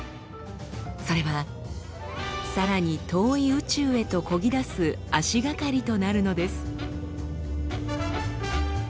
それはさらに遠い宇宙へと漕ぎ出す足がかりとなるのです。